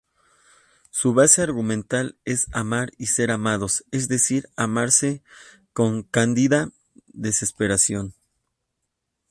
Su base argumental es amar y ser amados, es decir amarse con cándida desesperación.